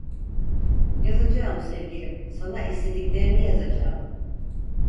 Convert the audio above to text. Yazacağım sevgilim, sana istediklerini yazacağım!